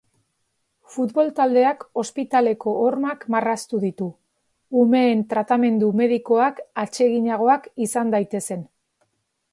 Futbol taldeak ospitaleko hormak marraztu ditu, umeen tratamendu medikoak atseginagoak izan daitezen.